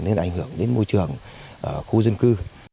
nên ảnh hưởng đến môi trường khu dân cư